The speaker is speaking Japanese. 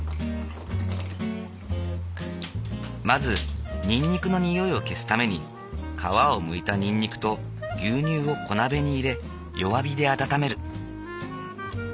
まずにんにくの匂いを消すために皮をむいたにんにくと牛乳を小鍋に入れ弱火で温める。